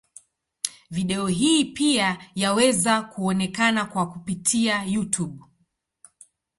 Video hii pia yaweza kuonekana kwa kupitia Youtube.